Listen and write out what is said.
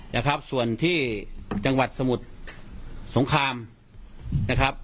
นะครับส่วนที่จังหวัดสมุทรสงครามนะครับ